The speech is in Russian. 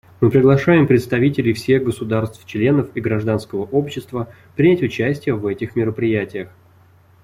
Мы приглашаем представителей всех государств-членов и гражданского общества принять участие в этих мероприятиях.